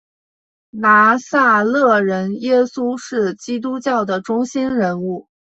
拿撒勒人耶稣是基督教的中心人物。